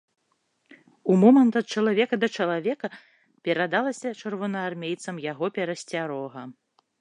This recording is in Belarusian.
Умомант ад чалавека да чалавека перадалася чырвонаармейцам яго перасцярога.